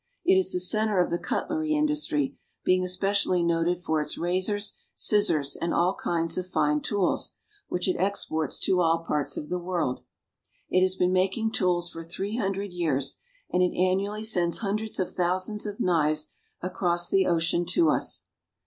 It is the center of the cutlery industry, being especially noted for its razors, scissors, and all kinds of fine tools, which it exports to all parts of the world. It has been making tools for three hundred years, and it annually sends hundreds of thousands of knives across the ocean to us.